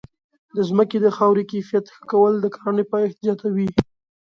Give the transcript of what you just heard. د ځمکې د خاورې کیفیت ښه کول د کرنې پایښت زیاتوي.